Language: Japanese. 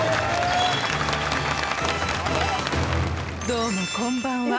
どうもこんばんは。